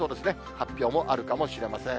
発表もあるかもしれません。